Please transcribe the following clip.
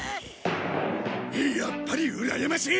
やっぱりうらやましい！